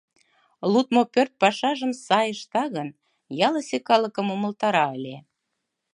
Лудмо пӧрт пашажым сай ышта гын, ялысе калыкым умылтара ыле.